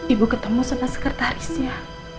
ibu ketemu sama sekretarisnya